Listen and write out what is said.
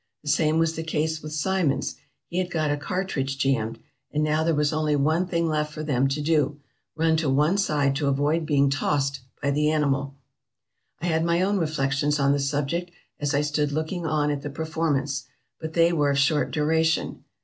The same was the case with Simmons — he had got a cartridge jammed — and now there was only one thing left for them to do — run to one side to avoid being tossed by the animal. " I had my own reflections on the subject as I stood looking on at the performance, but they were of short duration.